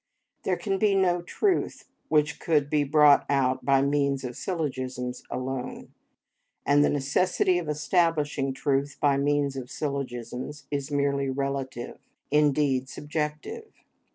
There can be no truth which could be brought out by means of syllogisms alone; and the necessity of establishing truth by means of syllogisms is merely relative, indeed subjective.